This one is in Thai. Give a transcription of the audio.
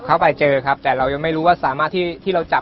ของมนุษย์อยู่สภาพกบใหม่นะครับ